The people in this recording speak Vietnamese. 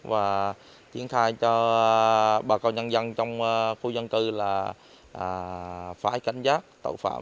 và tiến khai cho bà cao nhân dân trong khu dân cư là phải cảnh giác tội phạm